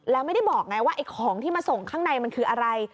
แล้วไม่ได้บอกไงว่าไอ้ของที่มาส่งข้างในมันคืออะไร